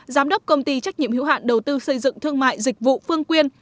giám đốc công ty trách nhiệm hữu hạn đầu tư xây dựng thương mại dịch vụ phương quyên